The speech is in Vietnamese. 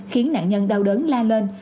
khiến nạn nhân đau đớn la lên